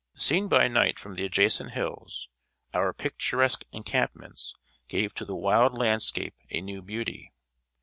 Seen by night from the adjacent hills, our picturesque encampments gave to the wild landscape a new beauty.